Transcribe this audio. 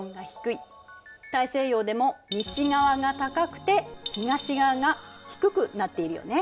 大西洋でも西側が高くて東側が低くなっているよね。